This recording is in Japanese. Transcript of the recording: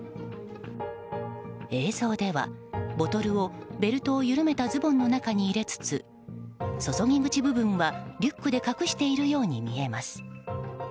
映像ではボトルをベルトを緩めたズボンの中に入れつつ注ぎ口部分は、リュックで隠しているように見えます。